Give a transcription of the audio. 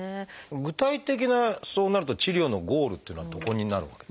具体的なそうなると治療のゴールっていうのはどこになるわけで？